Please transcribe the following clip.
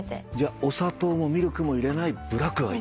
お砂糖もミルクも入れないブラックがいい？